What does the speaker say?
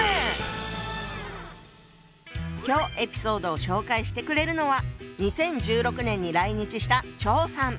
今日エピソードを紹介してくれるのは２０１６年に来日した張さん。